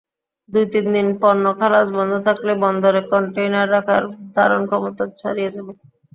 দুই-তিন দিন পণ্য খালাস বন্ধ থাকলে বন্দরে কনটেইনার রাখার ধারণক্ষমতা ছাড়িয়ে যাবে।